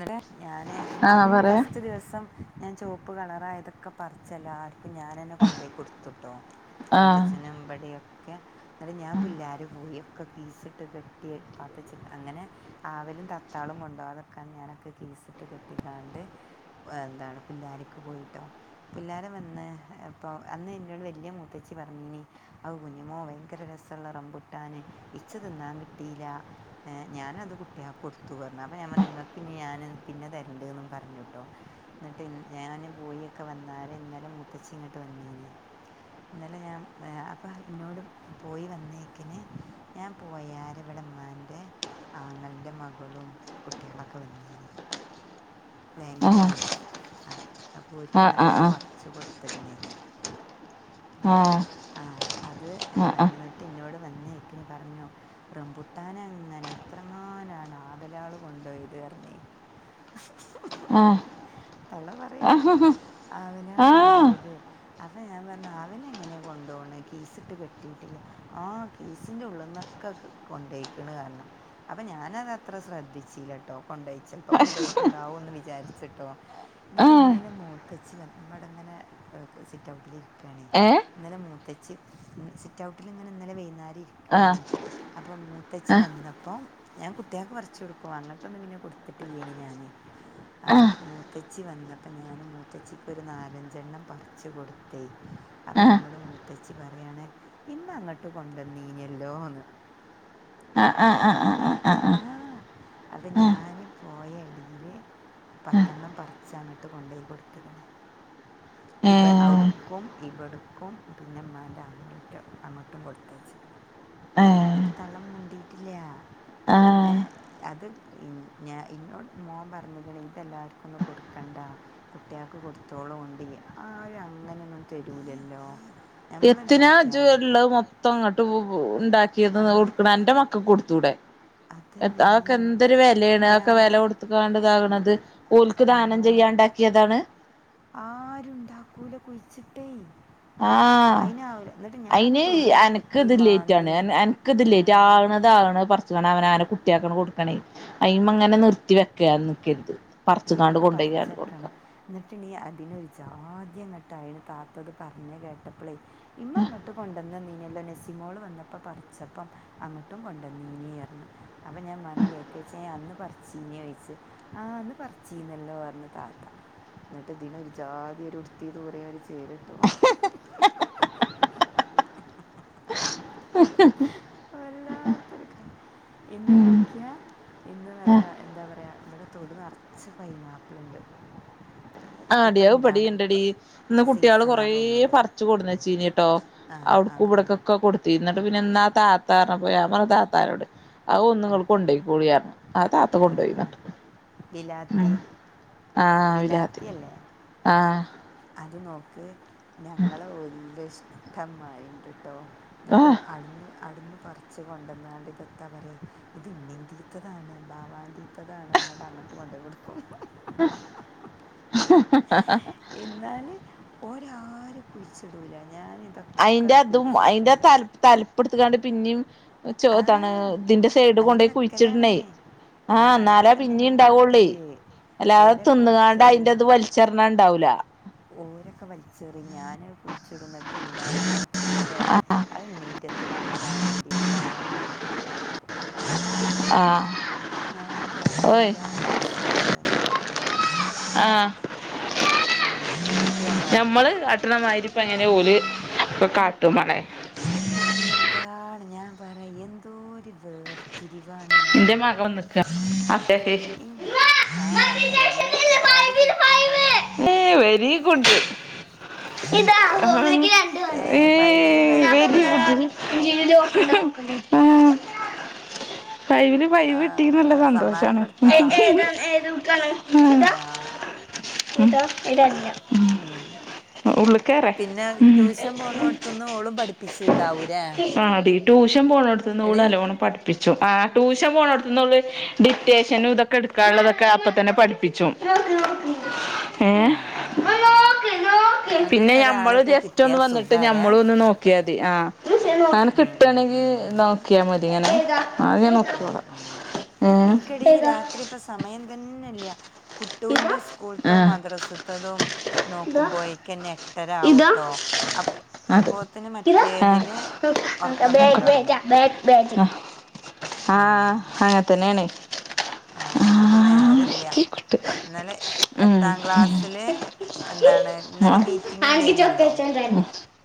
നിടാ ഞാന് ആഹ് അന്ന് പറയാ ഫസ്റ്റ് ദിവസം ഞാൻ ചുവപ്പ് കളറ യതൊക്കെ പറിച്ച് എല്ലാർ ക്കും ഞാനന്നെ കൊണ്ടോയി കൊടുത്തുട്ടോ ആഹ് മുത്തഛനും ഇബടി ഒക്കെ ന്നട്ട് ഞാൻ പുല്ലേരു പോയി ഒക്കെ കീച്ചിട്ട് കെട്ടി പാത്തച്ചി അങ്ങനെ ആവിലും തത്താളും കൊണ്ടോ കാതക്കാൻ അതൊക്കെ ഞാനൊക്കെ കീസി ഇട്ട് കെട്ടിക്കാണ്ട് വേറെന്താണ് പിള്ളോരക്ക് പോയിട്ടോ പിള്ളോരെ വന്ന് അപ്പൊ അന്ന് നിോട് വല്ല്യ മൂത്തച്ചി പറഞ്ഞീന് അവ് കുഞ്ഞുമോ ഭയങ്കര രസമുള്ളറം ബുട്ടാന് ഇച്ച് തിന്നാൻ കിട്ടിയില്ല ഏ ഞാനത് കുട്ടിയാൾക്ക് കൊടുത്തു പറഞ്ഞു അപ്പം ഞാൻ പറഞ്ഞുനിങ്ങക്ക് പിന്നെ ഞാൻ പിന്നെ തരണ്ടു ന്ന് പറഞ്ഞുട്ടോ എന്നിട്ട് ഞാൻ പോയിക്കെ വന്നാല് ഇന്നാലെ മുത്തച്ചിഇങ്ങോട്ട് വന്നിന്ന് ഇന്നലെ ഞാൻ അപ്പം ഇന്നോട് പോയി വന്നേക്കിന് ഞാൻ പോയാല് ഇവിടെ മ്മാൻ്റെ ആങ്ങളൻ്റെ മകളും കുട്ടികളൊക്കെ വന്നിനെ ആഹ് വേങ്ങരന്നെ അപ്പോ ഒരിക്കു ആഹ് നല്ലോം ആഹ് പറച് ച്ച് കൊടുത്ത്‌ക്ണ് എ ആഹ് ആഹ് അ അത് ആഹ് എന്താണ് ട്ട് ഇന്നോട് വന്നേ എക്കിന് പറഞ്ഞു റംപുട്ടാനെ അങ്ങനെ എത്രങ്ങാനാണ് ആവ ലോള് കൊണ്ടുപോയത് അത് പറഞ്ഞേ [unintelligible] തള്ളവ ആഹ് ഹഹ ആ അവനേംകൂടെ കൊണ്ടായ്യില്ലേ അപ്പ ഞാൻ പറഞ്ഞ ആവല് എങ്ങനെ കൊണ്ടോണത് കീസിട്ട് കെട്ടീട്ടില്ല ആഹ്- കീസിൻ്റെ ഉള്ളന്നൊക്കെ കൊണ്ടോയ്ക്കണ് പറഞ്ഞ്അപ്പം ഞാനത്ര ശ്രദ്ധിച്ചില്ല ടോപ് ഒണ്ടായി ചെലപ്പോ കൊണ്ടുപോയിട്ടുണ്ടാവും എന്ന് എന്ന് വിചാരിച്ചിട്ടോ എന്നിട്ട് ആഹ് ഇന്നലെ മൂത്തച്ചിവന്നു ഇവടെ ഇങ്ങനെ സിറ്റ് ഔട്ടിലിരിക്കാണേ ഏഹ് ഇന്നലെ മൂത്തച്ചി സിറ്റഔട്ടിൽ ഇങ്ങനെ ഇന്നലെ വൈന്നാരം ആഹ് വന്നതാണ് അപ്പൊ മൂത്തച്ചി ആഹ് വന്നപ്പോ ഞാൻ കുട്ടികൾക്ക് പറിച്ച് കൊടുക്കും അങ്ങ- ഇപ്പ പിന്നെ കൊടുത്തിട്ടില്ലേന് ഞാന് അപ്പ ആഹ് മൂത്തച്ചി വന്നപ്പോൾ ഞാന് മൂത്തച്ചിക്ക് ഒരു നാലഞ്ചെണ്ണം പറിച്ചു കൊടുത്തെ അപ്പൊ ആഹ് എന്നോട് മൂത്തച്ചി പറയാണ് ഇമ്മ അങ്ങോട്ട് കൊണ്ടന്നീല്ലല്ലോന്ന് ആഹ് ആഹ് ആഹ് ആഹ് ആഹ് അപ്പം ആഹ് ഞാൻ പോയ എടിയില്- പത്തെണ്ണം പറിച്ച് അങ്ങട്ട് കൊണ്ടുപോയി കൊടുത്ത്ക്ക്ണ് ഉ [inaudible] അവിടുക്കും ഇവിടുക്കും പിന്നെ മാൻ്റെ ആങ്ങളോടുക്കും അങ്ങോട്ടും കൊടുത്തച്ച- [inaudible] എന്നിട്ട് തള്ള മുണ്ടിട്ടില്ല ആഹ് ഏഹ് അത്- ഞാൻ ഇന്നോട് മോൻ പറഞ്ഞേക്കണ് ഇതെല്ലാവർ ക്കൊന്നും കൊടുക്കണ്ട കുട്ടികൾക്ക് കൊടുത്തോളു ഒണ്ടെങ്കിൽ ആരും അങ്ങനെയൊന്നും തരൂലല്ലോ നമ്മൾ എത്തിനാ ഉണ്ടാക്കിയാലല്ലേ ഇജ്എള്ള മൊത്തം ഇങ്ങോട്ട് ഒണ്ടാക്കിയത് ആ എന്റെ മക്കക്ക് കൊടുത്തൂടെ അതന്നെയാണ് ഈ അതൊക്കെ എന്നിട്ട് എന്തൊരു വിലയാണ് അതൊക്കെ ഞാൻ വില കൊടുത്ത് - വേണ്ടതാകണുന്നത് ഓൽക്ക് ദാനം ചെയ്യാണ്ടാക്കിയതാണ് ആരുണ്ടാക്കൂല കുഴിച്ചിട്ടേയില്ല ആഹ് അയിന് തൊടുവിൽ അനക്ക് കൊത്തി ഇത് ലേറ്റ് ആണ് മാന്തിയും എന്ക്ക് ഇത് ഇല്ലേ ആ ആവണത് ആവണത് പറിച്ച അവന് കുട്ടിയാക്ക് കൊടുക്കണേ അയിമ അങ്ങനെ നിർത്തി വെ- [unintelligible] നിക്കരുത് പറച്ച്ങ്ങാണ്ട് ഇനിയൊക്കെ കൊണ്ടപോയി അത്കൊടുക്കാം പറിച്ചെടുക്കണം എന്നിട്ട് ഇനി അതിനൊരു ജാദ്യങ്ങട്ടതിന് താത്തത് പറഞ്ഞേ കേട്ടപ്പോളേ ഇമ്മ ഇങ്ങട്ട് കൊണ്ടുന്ന് നന്നീല്ലോ നെസിമോൾ വന്ന- ഇപ്പ പറിച്ചപ്പം അങ്ങോട്ടും കൊണ്ടുവന്നീ അപ്പം ഞാൻ മനെ കേൾക്കച്ചാൻ അന്ന് പറിച്ചീന- ആ അന്ന് പറിച്ചീന്നല്ലോ പറഞ്ഞു താത്താ എന്നിട്ട് ഇതിന ഒരു ജാതി ഒരുരു ഉടു [unintelligible] ത്തി ദൂരര് ചേരിട്ടോ വല്ലാത്തൊരു കാര് എന്ന് നോക്കിയാ- ഇന്ന് പറയാ എന്താ പറയാ ഇവിടെ തൊടി നറച്ച് പൈനാപ്പിൾയിണ്ട് ആടി അഹ്ളപടി ഇണ്ടടി ഇന്ന് കുട്ടികള് സീസണാ കൊറേ തോന്നുന്നുണ്ട് പറച്ചു കൊണ്ടുവന്ന് വെച്ചിനിട്ടോ ആഹ് അവിടക്കും ആഹ് ആഹ് ഇവിടെക്കക്ക കൊടുക്ക- തീർന്നിട്ട് ആഹ് പിന്നെ എന്ന ആ താത്താ പറഞ്ഞപ്പോ ഞാൻ പറഞ്ഞു താത്താനോട് അ ഒന്നു നിങ്ങള് ആഹ് കൊണ്ടോക്കോളി പറഞ്ഞു അത് താത്ത ആഹ് കൊണ്ടുപോയിന്ന് പറഞ്ഞു ബിലാത്തി ഉം ആ വിലാ [unintelligible] ത്തി ബിലാത്തിയല്ലേ ആഹ് ആഹ അത് നോക്ക് ഞങ്ങള് വല്യയ ഇഷ്ടമായിണ്ടട്ടോ എന്നിട്ട് ആഹ് അവിടുന്ന്- അവ്ടുന്ന പറിച്ച് കൊണ്ടുവന്നാണ്ട് ഇതത്തൊ പറയ ഇത് ഇണ്ണിംന്റിത്ത [unintelligible] താണ് ബാവാതിത്താണ്. [unintelligible] മത്തതാ [unintelligible] ണ് പറഞ്ഞിട്ട് അങ്ങോട്ട് കൊണ്ട പോയി കൊടുത്തു. ആഹ് [unintelligible] എന്നാൽ ഓര് ആരും കുഴിച്ചിടൂല്ല ഞാൻ ഇതൊക്കെ അയിന്റെ അതും അയിന്റെ തല് തലപ്പപ്പെടുത്തക്കാണ്ട് പിന്നെയും ആ ചോതാണ് ഇതിന്റെ സൈഡ് അങ്ങനെ കൊണ്ടയി വെക്കലാണ് കുഴിച്ചിടണെ ആഹ ആ അങ്ങനെ എന്നാലാ തന്നെ പിന്നെ ഞാൻ ഇണ്ടാവുള്ളേ കാട്ടല് അല്ലാതെ ഓരൊക്കെ തിന്നുകാണ്ട് വലിച്ചെറിയും അതിന്റത് വലിച്ച ച്ചറിഞ്ഞാഉണ്ടാവൂല ഓരൊക്കെ വലിച്ചെറി ഞൻ കുഴിച്ചിടു ന്നട്ട് ഉണ്ടായ മുപ്പത്തിയേര് പറയും അത് ഇണ്ണീൻന്റെ ഇത്തതാണ് ഭാവാന്റെ ഇത്തതാണ് പറഞ്ഞ് അവർക്ക് കൊണ്ടോയി കൊടുക്കും. ആ ഞാൻ പറയാം വല്ലാത്തൊരു സാധനാണോ ആഹ ഉം, കുട്ടി വന്നാ നമ്മള് അത് കട്ടണമാതിരി ഇപ്പം അങ്ങനെ പോഓല് കാട്ടും മളേ എന്താണ് ഞാൻ പറയ എന്തോരി വേർ തിരിവാണ്. എന്റെ മകള് വന്നിക്ക. ആ വരുന്ന ഒച്ചപ്പാട് കേൾക്കുന്നുണ്ടല്ലോ [unintelligible] ഏ വെരിഗുഡ് ഏ ഫൈവിലും ഫൈവ് കിട്ടിയാ ഗുഡ് ആ ഫൈവിലും ഫൈവ് ആ, കിട്ടിയിന്റെ നല്ല സമ്മാനം സന്തോഷാണ്. ഉം കൊടുത്താളാ ആ, ഉം. ഉള്ളിക്കറെ പിന്നെ ഉം ട്യൂഷൻ പോണോടത്തുനിന്ന് ഓളും പഠിപ്പിച്ചിട്ടുണ്ടാവൂലേ ആടി അ ട്യൂഷൻ പോകണടുത്ത് ഓൾ എടി നല്ലണ്ണം പഠിപ്പിച്ചുംആ ട്യൂഷൻ പോണിടത്തന്നള് ഡിക്റ്റേഷനും ഇതൊക്കെ എടുക്കാനുള്ളതൊക്കെ അപ്പ തന്നെ പഠിപ്പിച്ചും. ഏ ആ ആ ആ ആ അങ്ങനെ പിന്നെ ഞമ്മള് ഒരാളെയൊക്കെ ജസ്റ്റ് ഒന്ന് കിട്ടിയാൽ വന്നിട്ട് സുഖാരേ ഞമ്മള ഒന്ന് നോക്ക ക്കിയാതി ആ അങ്ങനെ ഉം, ഉം, കിട്ടയാണെങ്കി ഉം, നോക്കിയാൽ മതിങ്ങനെ നോക്കിയള ഇനിക്കെടീ രാത്രി ഇപ്പ സമയം തന്നെല്ല ഇതാ കുട്ടുവിന്റെ ആ സ്കൂളത്തും മദ്രസത്തതും ഇതാ നോക്കുമ്പോഴേക്കെന്നെ ഇതാ എട്ടരാവുട്ടോ അത് അപ്പോത്തന് ഇതാ ആ മറ്റേതിന് ഉറക്കം വരലടങ്ങും ബച്ചന [unintelligible] ആഹ അങ്ങനെത്തന്നെയാണെ ആഹ എന്നിട്ട് നേര ഇല്ല ഇന്നലെ എട്ടാം ക്ലാസില് എന്താണ് ഇന്നലെ മീറ്റിംഗ് ആൻക്ക് ഉണ്ടായിനിയല്ലോ [unintelligible]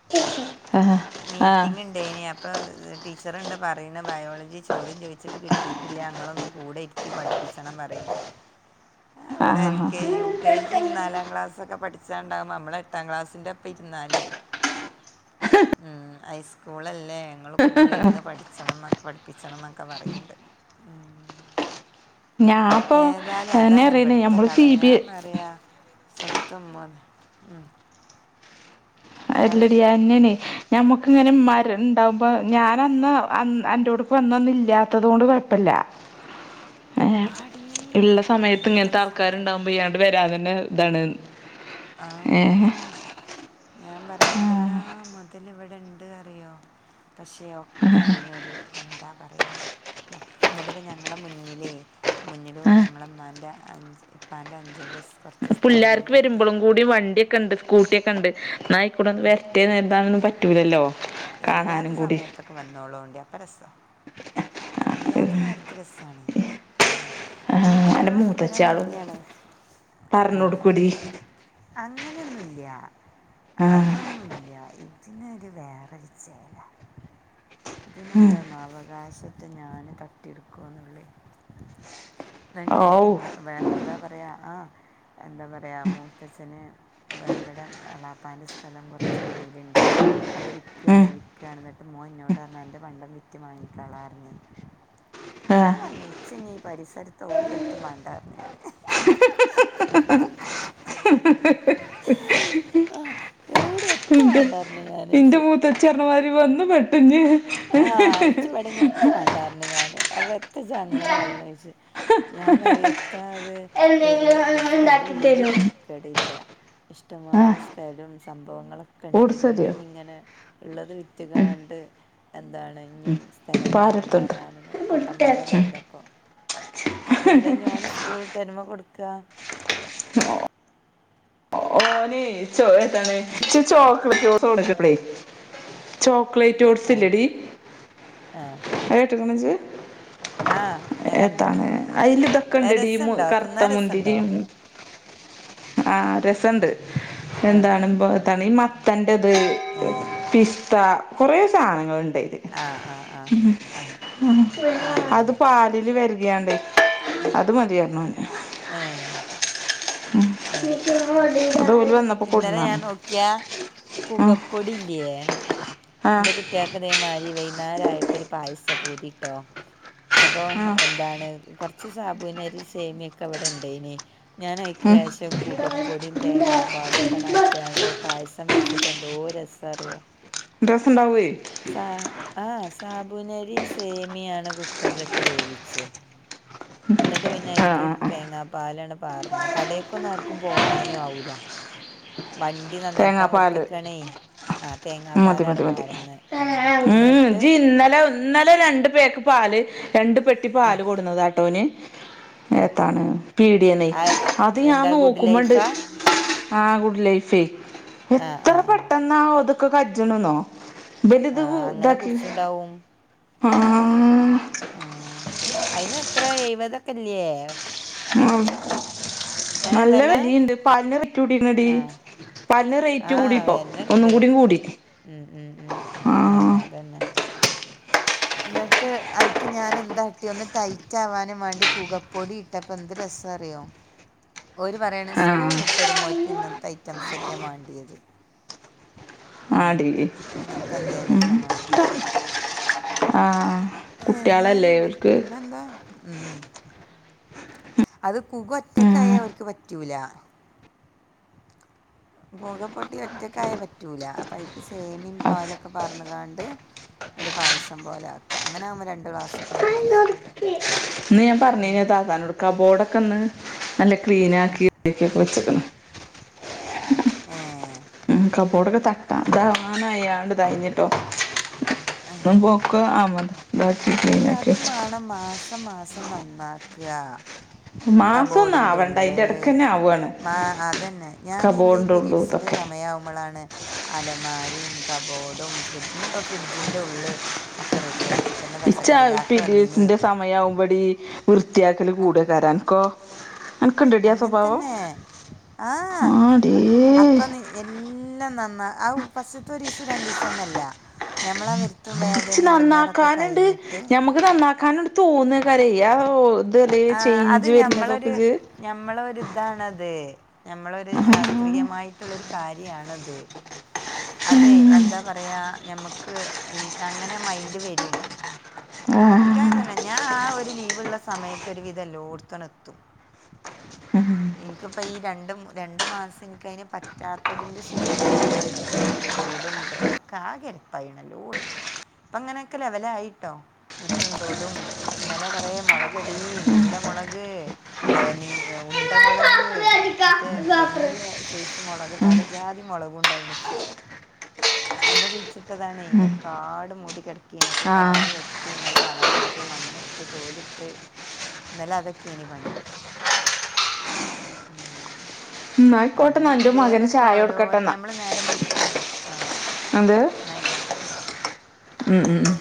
ആഹ് മീറ്റിംഗ ഉണ്ട് ഉണ്ടയിനു അപ്പൾ ടീച്ചറണ്ട് പറയുന്ന ബയോളജി ചോദ്യം ചോദിച്ചിട്ട് കിട്ടിയിട്ടില്ല നിങ്ങളൊന്നും കൂടെ ഇരിക്കി ഇരുത്തി പഠിപ്പിച്ചണം പറയുണ്ട്. അവിടെ എൽ ആഹ് കെ ജി യു കെ ജിയും നാലാം ക്ലാസ്സൊക്കെ പഠിച്ചാുണ്ടാാവുംമ്പോ നമ്മളെ എട്ടാം ക്ലാസ്സിൻ്റെ ഒപ്പം ഇുരുന്നാലേ ഉ ഹൈസ്കൂളല്ലേ ഇങ്ങള്ൾ കൂടെ ഇരുന്ന് പഠിച്ചണം പഠിപ്പിച്ചണം എന്നൊക്കെ പറയണ്ട് ആഹ് ഞാ ഏതായാലും അതാണ് ഇവടുത്ത കഥ ബി ഞാൻ പറയാ സ്വത്തം മന്ന് ഉ എല്ലടി അങ്ങനെ ഞമ്മുക്കിങ്ങനെ ഉമാർ ഉണ്ടാകുമ്പോൾ ഞൻ അന്ന് എൻ്റെോടുക്ക് വന്നത് ഇല്ലാത്തത് കൊണ്ട് കുഴപ്പമില്ല ഏ ആടി ഇള്ള സമയത്ത് ഭയങ്കര ഇങ്ങനത്തെ സാധന ആൾക്കാരുണ്ടാകുമ്പഴാണ് ഇങ്ങട് വരാതന്നെ ഇതാണ് ആ ഏ ഞാൻ പറയന്തല്ലാ മുതൽ ഇവിടെ ഇണ്ട് അറിയോ പക്ഷേ ഒക്കെ അയിനൊരു എന്താ പറയ എന്നിട്ടപ്പ ഞങ്ങളെ മുന്നിലേ മുന്നിലോ ആഹ് ഞങ്ങളമമാന്റെ ഉപ്പാന്റെ അനുജന്റെ സ് പിള്ളേർക്ക് വരുമ്പോഴും കൂടി വണ്ടിയൊക്കെ ഉണ്ട് സ്കൂട്ടിക്കെ ഉണ്ട് എന്നായി കൂടെന്ന് വരട്ടെ [unintelligible] പ റ്റൂല്ലല്ലോ ഇല്ലാത്ത സമയത്തൊക്കെ വന്നോളോണ്ട് അപ്പരസ ഇല്ലാത്ത നേരത്തെ രസാണ് ഉം ആഹ് ഇങ്ങിട്ട് അന്റെ ആർക്കുംവരാൻ മൂത്തച്ച്യാളും മടിയാണ് പറഞ്ഞ് കൊടുക്കൂടി ആഹ് അങ്ങനെയൊന്നുംല്ല ആഹ് അതൊന്നുല്ല ഈ പിന്നെ അത് വേറെരുച്ചയല്ല പിന്നെന്താണ അവകാശ ഞാന് തട്ടിയെടുക്കുന്നു ളൈ രണ്ട് ഔ മ്മ വേ എന്താ പറയുക ആ എന്താ പറയുക മൂത്തച്ഛന് ഇവിടെ അളാപ്പാന്റെ സ്ഥലം കുറച്ച് മുന്നിലുണ്ട് അത് വി വി ഉം ക്യാണ് വി ക്യാണ് എന്നിട്ട് മോൻ എന്നോട് പറഞ്ഞ എൻ്റെ പണ്ടം വിറ്റ് വാങ്ങിക്കോളാഞ്ഞ് പറഞ്ഞു ഞാൻ ആഹ് പറഞ്ഞു ഇച്ചങ്ങ ഈ പരിസരത്ത് ഓടിയ എത്തും വേണ്ടാന്ന് ഞാന് ഹ ഹ ഹ എവിടെ എത്തും വേണ്ടാരുന്നു ഞാന് എന്റെ മൂത്തച്ചി പറണമാതിരി വന്ന് പെട്ടു ഞ്ഞി ആഹ് അയച്ചു പടഞ്ഞ എത്തും വേണ്ടാർ ഞ്ഞു ഞാന് അപ്പ എത്തച്ച അങ്ങനെ പറണ ചോയിച്ചു ഞാൻ പറിയത്ത അത് എന്തെങ്കിലും ഏ ഒന്ന് സ്ഥലം ഉണ്ടാക്കി ഇല്ലെങ്കി തരോ തര പെരല്ല ആഹ് ഇഷ്ടമാതിരി സ്ഥലം സംഭവങ്ങളൊക്കെ ഉണ്ട് ഓട്സ് പിന്ന മതിയോ ഇങ്ങനെ ഉള്ളത് വിറ്റുകാണ്ട് എന്താണ് കുഞ്ഞും സ്ഥലം പാലെടുത്തോണ്ട് വാങ്ങുകറാന പൊട്ടന്മാരൊന്നുംല്ല ഇപ്പോൾ എന്താ ഇഞ്ഞ് ഓന്സ്കൂളൾ വിട്ട് വരുമ്പം കൊടുക്കാ [unintelligible] ഓനെ ചോ എന്താണെ ഇച്ചി ചോക്ലറ്റ് സോസ് കൊടുത്തപ്പളേ ചോക്ലേറ്റ് ഓഡ്സ് ആ ഇല്ലടി ആ അത് കേട്ട ക്കണോ ഇജ് ആഹ് ഞാൻ കണ്ടാണ് ഏത്താണ് അതിൽ ഇതൊക്കെ ഏഹ് ഇണ്ട്ടി രസണ്ടോ കറുത്ത തിന്നാൻ മുന്തിരി രസണ്ടോ ആഹ് രസണ്ട് ആഹ് എന്താണ് പോത്താണ് ഈ മത്തന്റെത് ഏഹ് പിസ്ത കുറേ സാധനങ്ങൾ ളുണ്ട് ആഹ് ആഹ് ആഹ് ആഹ് ഏഹ് അത് പാലിൽ വരികയായണ്ട് അത് മതിയായിരുന്നു ന്ന് ഏ ഏ അത് ഓല് വന്ന് ഇന്നലെ ഞാൻ നോക്കിയാ ഉം കുകപ്പൊടി ഇല്ലയേ എന്റെ ആഹ് കുട്ടികള്ക്ക് ഇതേമാതിരി വൈകുന്നേരായപ്പോ ഒരു പായസ പൂതിട്ടോ അപ്പൊ ആഹ് എ- ഇതാണ് കൊറച്ച് സാബുവിനരി സേമിയൊക്കെ അവിടെ ഇണ്ട് അയിന് ഞാൻ അയിക്ക് ഉം ലേശം കൂകപ്പൊടിയും തേങ്ങാപ്പാലൊക്കെണാക്കി- യാണ്ട് പായസം വെച്ചിട്ട് എന്തോ രസ അറിയോ രസവുണ്ടാവേയ് ആഹ് സാബൂനരിം സേമിയാണ് കുക്കർലിട്ട് വേവിച്ച് എന്നിട്ട് പിന്നെ ആഹ് അയ്ക്ക് ആഹ് ആഹ് തേങ്ങാപ്പാല് ആണ്ട് പാർന്ന് കടേക്കൊന്നും ആർക്കും പോകാനു ആവൂല വണ്ടി നന്നാക്കാൻ തേങ്ങാപ്പാല് കൊടുത്തക്കാണേയ് മതി മതി മതി ഉം എന്നിട്ട് ജി ഇന്നലെ ഇന്നലെ രണ്ട് പേക്ക് പാല് രണ്ട് പെട്ടി പാല് കൊടുന്നതാട്ടോ ഓന് ആ എന്താണ് പേടിയാണെ ആ അത് ഞാൻ എന്താ ഗുഡ് നോക്കുമ്പയുണ്ട് ലൈഫാ? ആ ഗുഡ് ലൈഫെയെ ആ ആ എത്ര ആ. പെട്ടെന്നാ അതൊക്കെ കജ്ജ്ണ്ന്നോ ഇവിടെ ആ അങ്ങനെ ഇത്‌താക്കി കുടിച്ചിണ്ടാവും. ആഹ് ആഹ് അയിന് എത്ര എഴുപതൊക്കെയല്ലിയേ ആഹ് ഏ നല്ല വെല? വെലിയിണ്ട് പ [unintelligible] നി ടി ആ. പാലിന് റേറ്റ് ആ കൂടിയിപ്പോ ഒന്നും വെലണ്ട്. കൂടി കൂടി ഉം ഉം ഉം ആ ആഹ് അത് തന്നെ എന്നട്ട് അയ്ക്ക് ഞാൻ എന്താക്കി ഒന്ന് ടൈറ്റ് ആവാനും വാണ്ടി കൂകപ്പൊടി- ഇപ്പൊ എന്ത് രസാവാ അറിയോ ഓര് പറയ്ണ് ആ സ്കൂള് വിട്ടുവരുമ്പോൾ ഓര്ക്ക് ഇങ്ങനത്തെ ഐറ്റംസൊക്കെയാ മാണ്ടിയേത് ആടി ഇങ്ങനത്തെ ഉം എന്തേലൊക്കെ വേണം ആഹ് ആഹ് കുട്ട്യാളല്ലേ ഏതായാലും ഓൽക്ക് പിന്നെ എന്ത ഉം അത് കുക ഉം ഒറ്റക്കായ ഓൽക്ക് പറ്റൂല കൂകപ്പൊടി ഒറ്റക്കായ പറ്റൂല അപ്പൊ അയ്ക്ക് സേമിയ അഫ് പാലൊക്കെ പാർന്ന്ങ്ങാണ്ട് ഒരു പായസം പോലെ ആക്ക്‌ക അങ്ങനെ ആവുമ്പോ രണ്ട് ക്ലാസ്സൊക്കണ്ട് കുടിച്ച് ഇന്ന് ഞാൻ പർണീന്നു ആ താത്താനോട് കബോർഡൊക്കെ ഒന്ന് നല്ല ക്ലീൻ ആ ആക്കി ഇട്ടേക്കു - വിളിച്ചേക്കണ് ഏഹ് ഉം കബോടൊക്കെ തട്ടാ താന അയാണ്ട് തായ്ന്നിട്ടോ എടി അതും [unintelligible] വേണം മാസം മാസം നന്നാക്കുവാ മാസൊന്നും കബോർഡിന്റെ ആവണ്ട ഉള്ള് അയിന്റെ എടക്കെന്നെ ആവാണ് മാ അത് തന്നെ ഞാന് എൻ്റെ ഈ കബോർഡിന്റെ ഉള്ളൂ പിരീഡ്സ്- എന്റെ ഇതൊക്കെ സമയാവുമ്പളാണ്- അലമാരിം കബോർഡും ഫ്രിഡ് ഇന്ന് ഇപ്പോ ഫ്രിഡ്ജിൻ്റെ ഉള്ള് ഒക്കെ റെഡിയാ ഇച്ചാ പിരീഡ്സിന്റെ സമയാവുമ്പ ടീ വൃത്തിയാക്കല് കൂടുതലാ അൻകോ അങ്ങൻത്തന്നെ ആഹ് ആടീ അപ്പ നീ എല്ലാം നന്നാ ആ ഫസ്‌റ്റിലത്തെ ഒരു ദെവസം രണ്ട് ദെവസോം ഒന്നുമല്ല ഞമ്മളാ വര് ത്തും വേദനയും എടങ്ങേറൊക്ക കയ്ഞ്ഞിട്ട്- ത് നന്നാക്കാന്‌ണ്ട് തോന്നെക്കാരെയ് അ ഓ തു അതേ ചേഞ്ച് വര്ണ [unintelligible] തൊക്ക് ജ് ഞമ്മളൊരിതാണത് ഞമ്മളൊരു ശാസ്ത്രീയമായിട്ടുള്ളൊരു കാര്യാണത് അതെ എന്താ പറയാ ഞമ്മക്ക് ഇൻ അങ്ങനെ മൈൻഡ് വരും എനിക്ക് അങ്ങനെ ആഹ് തന്നെ ഞാ ആ ഒരു ലീവ് ഉള്ള സമയത്ത് ഒരു വിധം എല്ലോട്ത്തു അങ്ങട് എത്തും ഇൻക്ക്പ്പ ഈ രണ്ടും രണ്ട് മാസം ഇൻക്കയ്ന് പറ്റാത്തതിന്റെ ക്ഷീണം നല്ലോണയിണ്ട് വ്ടും പ ഒക്കെ ആകെ എരപ്പായിക്ക്ണ് എല്ലോട്ത്തും പ്പ ങ്ങനൊക്കെ ലെവലായിട്ടോ മുറ്റും തൊടും ന്നലെ കൊറേ മൊളകെടീ നീല മൊളക് ഏ നീ എ ഉണ്ട മൊളക് മറ്റേ വല്യെ സൈസ് മുളക് ഉം പലജാതി മൊളകുണ്ടായ്നു ച്ച് അന്ന് കുഴിച്ചിട്ടതാണെയ് ഉം ന്നട്ട് കാട് മൂടി കെടക്കെയ്നി അപ്പൊ ആഹ് കാട് വെട്ടി ഇന്നലെ വളമട്ട് മണ്ണ് ട്ട് തോല്ട്ട് ന്നലെ അതൊക്കെയ്നി പണി ഉം എന്നായിക്കോട്ടെന്നാ അങ്ങനെ എന്റെ മകന് എന്തേലൊക്കെ ചായ ഓരോരോ കൊടുക്കട്ടെന്നാ ഞമ്മള് നേരം വെളുത്ത്ന്ന് ആഹ് എന്ത് ന്ന അയ്ക്കോട്ടെ ശരി ഉം ഉം ഉം